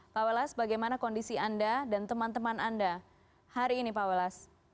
pak welas bagaimana kondisi anda dan teman teman anda hari ini pak welas